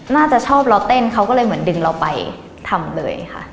น่าจะชอบเราเต้นเขาก็เลยเหมือนดึงเราไปทำเลยค่ะ